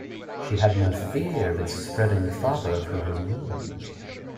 She had no fear of its spreading farther through his means.